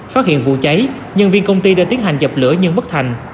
phát hiện vụ cháy nhân viên công ty đã tiến hành dập lửa nhưng bất thành